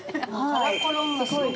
「カラコロン」がすごくいい。